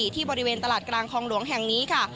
ที่บริเวณตลาดกลางคลองหลวงแห่งนี้ค่ะ